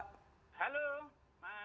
halo sehat alhamdulillah